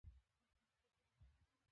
راتلونکي ته هیله ولې ولرو؟